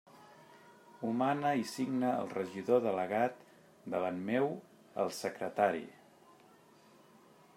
Ho mana i signa el regidor delegat, davant meu, el secretari.